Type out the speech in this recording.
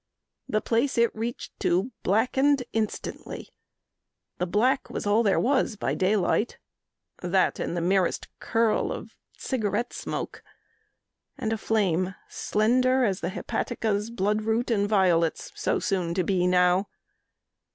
The place it reached to blackened instantly. The black was all there was by day light, That and the merest curl of cigarette smoke And a flame slender as the hepaticas, Blood root, and violets so soon to be now.